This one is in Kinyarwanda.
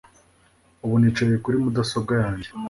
Ubu nicaye kuri mudasobwa yanjye